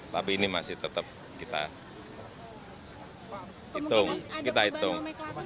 tapi ini masih tetap kita hitung